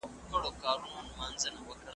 ازل یوازي زما قلم ته دی ستا نوم ښودلی .